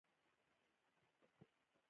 لمر د طبیعی تودوخې یوه سرچینه ده.